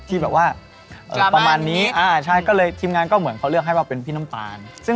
ที่แบบว่าประมาณนี้ใช่ก็เลยทีมงานก็เหมือนเขาเลือกให้ว่าเป็นพี่น้ำตาล